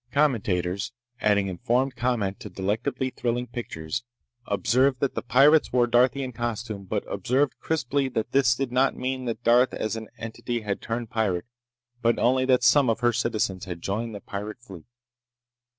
Commentators, adding informed comment to delectably thrilling pictures, observed that the pirates wore Darthian costume, but observed crisply that this did not mean that Darth as an entity had turned pirate, but only that some of her citizens had joined the pirate fleet.